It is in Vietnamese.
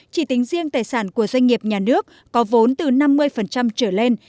chỉ tính riêng tài sản của doanh nghiệp nhà nước có vốn từ năm mươi trở lên